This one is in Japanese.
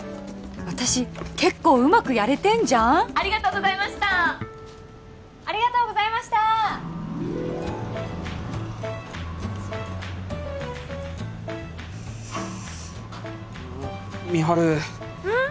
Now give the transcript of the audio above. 私結構うまくやれてんじゃんありがとうございましたありがとうございましたうん美晴うん？